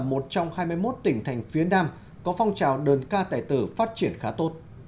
một trong hai mươi một tỉnh thành phía nam có phong trào đơn ca tài tử phát triển khá tốt